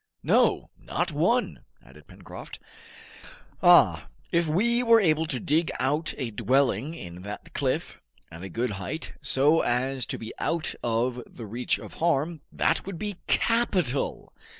"No, not one!" added Pencroft. "Ah, if we were able to dig out a dwelling in that cliff, at a good height, so as to be out of the reach of harm, that would be capital!